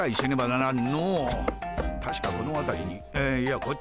たしかこのあたりにいやこっち。